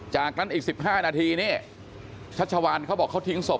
จากนั้นอีก๑๕นาทีนี่ชัชวานเขาบอกเขาทิ้งศพ